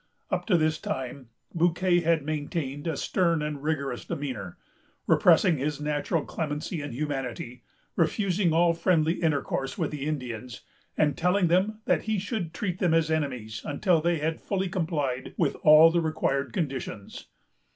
Up to this time, Bouquet had maintained a stern and rigorous demeanor; repressing his natural clemency and humanity, refusing all friendly intercourse with the Indians, and telling them that he should treat them as enemies until they had fully complied with all the required conditions.